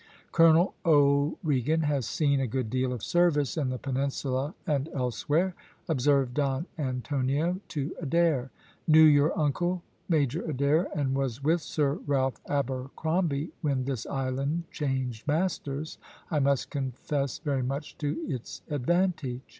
"Colonel O'Regan has seen a good deal of service in the Peninsula and elsewhere," observed Don Antonio to Adair; "knew your uncle, Major Adair, and was with Sir Ralph Abercromby when this island changed masters, I must confess very much to its advantage."